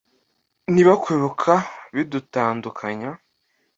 niba kwibuka bidutandukanya